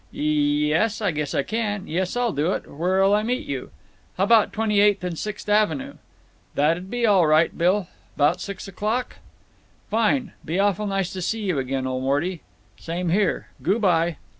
"Y yes, I guess I can. Yes, I'll do it. Where'll I meet you?" "How about Twenty eighth and Sixth Avenue?" "That'll be all right, Bill. 'Bout six o'clock?" "Fine! Be awful nice to see you again, old Morty." "Same here. Goo' by."